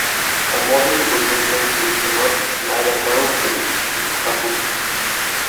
A more visible difference is the much lighter barrel fitted to the Tabuk.